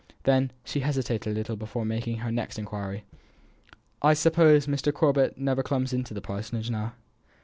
Then she hesitated a little before making her next inquiry: "I suppose Mr. Corbet never comes to the Parsonage now?"